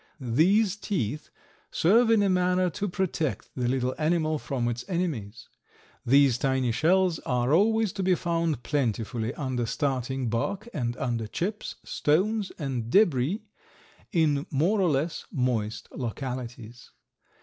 These teeth serve in a manner to protect the little animal from its enemies. These tiny shells are always to be found plentifully under starting bark and under chips, stones and debris, in more or less moist localities.